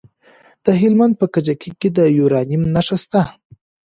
د هلمند په کجکي کې د یورانیم نښې شته.